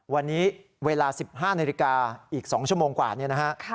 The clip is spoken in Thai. วันนี้เวลา๑๕นาฬิกาอีก๒ชั่วโมงกว่าเนี่ยนะฮะ